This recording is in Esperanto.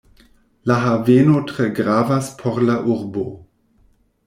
La haveno tre gravas por la urbo.